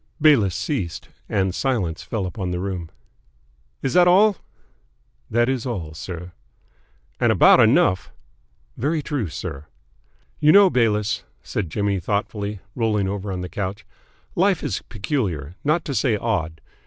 '" Bayliss ceased, and silence fell upon the room. "Is that all?" "That is all, sir." "And about enough." "Very true, sir." "You know, Bayliss," said Jimmy thoughtfully, rolling over on the couch, "life is peculiar, not to say odd.